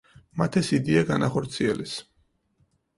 მათ ეს იდეა განახორციელეს.